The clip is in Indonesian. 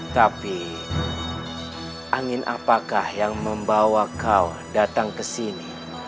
tapi angin apakah yang membawa kau datang kesini